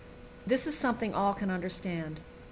This is something all can understand.